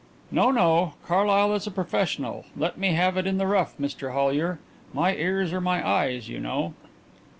"No, no; Carlyle is a professional. Let me have it in the rough, Mr Hollyer. My ears are my eyes, you know."